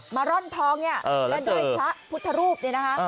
ร่อนทองเนี่ยแล้วด้วยพระพุทธรูปเนี่ยนะคะ